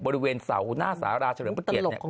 บริเวณเสาหน้าสาราเฉลิมพระเกียรติเนี่ย